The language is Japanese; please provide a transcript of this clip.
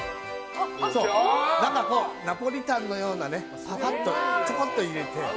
ナポリタンのようにちょこっと入れて。